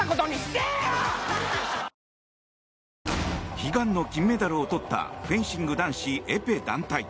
悲願の金メダルを取ったフェンシング男子エペ団体。